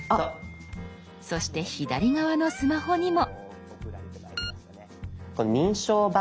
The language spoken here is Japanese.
そして左側のスマホにも。